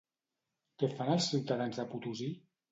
Què fan els ciutadans de Potosí?